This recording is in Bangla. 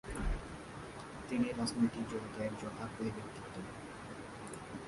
তিনি রাজনৈতিক জগতে একজন আগ্রহী ব্যক্তিত্ব।